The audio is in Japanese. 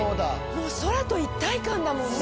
もう空と一体感だもんね。